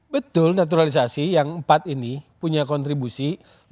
betul naturalisasi yang empat ini punya kontribusi